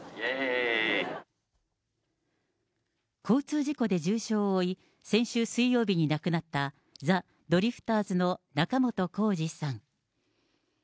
交通事故で重傷を負い、先週水曜日に亡くなった、ザ・ドリフターズの仲本工事さん。